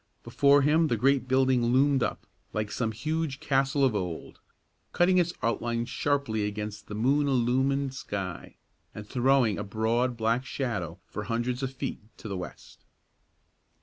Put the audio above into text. Before him the great building loomed up, like some huge castle of old, cutting its outlines sharply against the moon illumined sky, and throwing a broad black shadow for hundreds of feet to the west.